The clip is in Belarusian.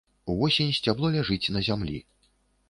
Увосень сцябло ляжыць на зямлі.